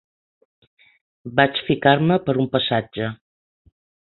Vaig ficar-me per un passatge